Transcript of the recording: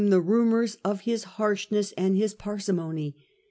the rumours of his harshness and his parsimony.